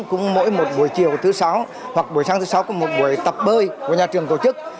cũng mỗi một buổi chiều thứ sáu hoặc buổi sáng thứ sáu có một buổi tập bơi của nhà trường tổ chức